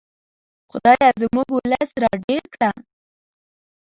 خدایه زموږ ولس را ډېر کړه.